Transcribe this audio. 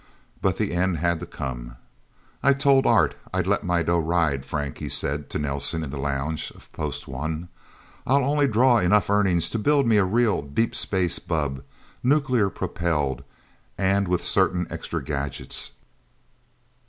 But the end had to come. "I told Art I'd let my dough ride, Frank," he said to Nelsen in the lounge of Post One. "I'll only draw enough earnings to build me a real, deep space bubb, nuclear propelled, and with certain extra gadgets.